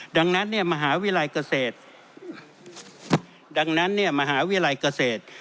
ดังนั้นเนี่ยมหาวิทยาลัยเกษตรดังนั้นเนี่ยมหาวิทยาลัยเกษตร